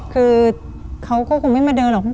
คือเขาก็คงไม่มาเดินหรอก